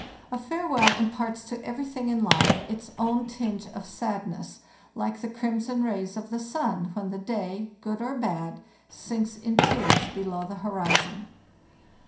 A farewell im parts to everything in life its own tinge of sadness, like the crimson rays of the sun, when the day, good or bad, sinks in tears below the horizon.